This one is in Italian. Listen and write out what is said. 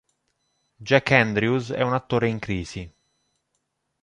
Jack Andrews è un attore in crisi.